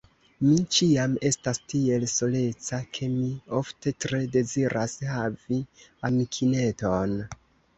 Mi ĉiam estas tiel soleca, ke mi ofte tre deziras havi amikineton.